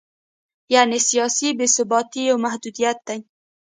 یعنې سیاسي بې ثباتي یو محدودیت دی.